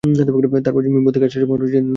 তারপর মিম্বর থেকে নেমে আসর নামায আদায় করেন।